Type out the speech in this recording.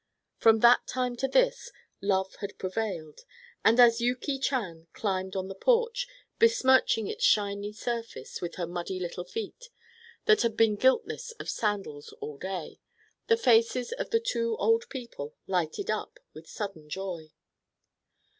From that time to this love had prevailed, and as Yuki Chan climbed on the porch, besmirching its shining surface with her muddy little feet, that had been guiltless of sandals all day, the faces of the two old people lighted up with sudden joy.